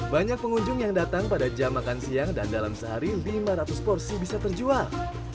banyak pengunjung yang datang pada jam makan siang dan dalam sehari lima ratus porsi bisa terjual